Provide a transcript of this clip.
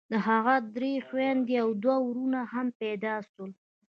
د هغه درې خويندې او دوه ورونه هم پيدا سول.